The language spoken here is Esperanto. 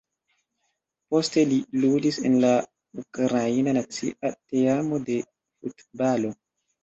Poste li ludis en la Ukraina nacia teamo de futbalo.